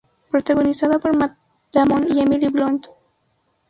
Protagonizada por Matt Damon y Emily Blunt.